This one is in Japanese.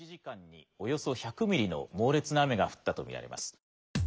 およそ１００ミリの猛烈な雨が降ったとみられます。